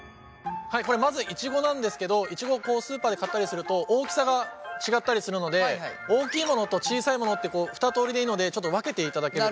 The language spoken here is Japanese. まずイチゴなんですけどイチゴをスーパーで買ったりすると大きさが違ったりするので大きいものと小さいものって２通りでいいのでちょっと分けていただけると。